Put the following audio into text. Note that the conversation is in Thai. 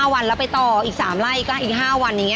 ๕วันแล้วไปต่ออีก๓ไร่ก็อีก๕วัน